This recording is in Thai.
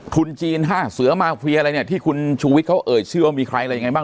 ทุนจีน๕เสือมาเฟียอะไรเนี่ยที่คุณชูวิทย์เขาเอ่ยชื่อว่ามีใครอะไรยังไงบ้าง